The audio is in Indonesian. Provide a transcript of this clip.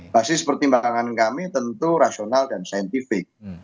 basis pertimbangan kami tentu rasional dan saintifik